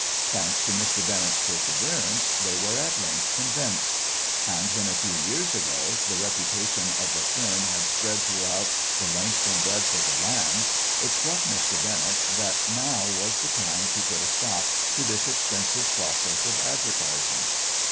Thanks to Mr. Bennett's perseverance they were at length convinced. And, when a few years ago, the reputation of the firm had spread throughout the length and breadth of the land, it struck Mr. Bennett that now was the time to put a stop to this expensive process of advertising.